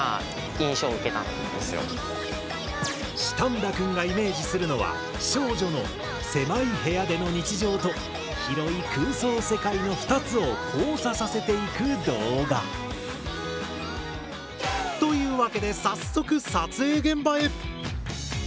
シタンダくんがイメージするのは少女の狭い部屋での日常と広い空想世界の２つを交差させていく動画。というわけで早速撮影現場へ。